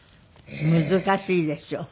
難しいでしょ？